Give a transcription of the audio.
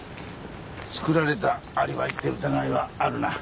作られたアリバイって疑いはあるな。